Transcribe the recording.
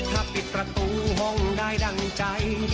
ถ้าปิดประตูห้องได้ดั่งใจ